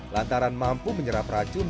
lantaran mampu menyerap racun